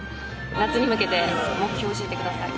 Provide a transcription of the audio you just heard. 夏に向けて目標を教えてください。